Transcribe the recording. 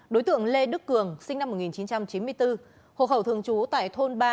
đối tượng lê đức cường sinh năm một nghìn chín trăm chín mươi bốn hộ khẩu thường trú tại thôn ba